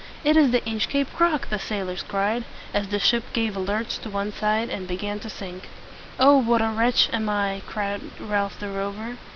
"It is the Inchcape Rock!" the sailors cried, as the ship gave a lurch to one side, and began to sink. "Oh, what a wretch am I!" cried Ralph the Rover.